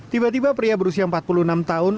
tiba tiba pria berusia empat puluh enam tahun